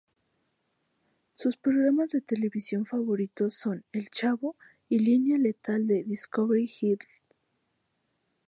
Sus programas de televisión favoritos son: El Chavo, y Línea Letal de Discovery Health.